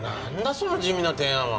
その地味な提案は。